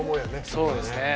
そうですね。